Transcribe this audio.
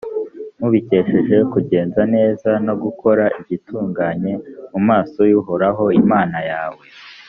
mubikesheje kugenza neza no gukora igitunganye mu maso y’uhoraho imana yawe.